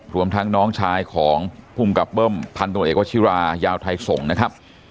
รวมทั้งน้องชายของภูมิกับเบิ้มพันตรวจเอกวชิรายาวไทยส่งนะครับ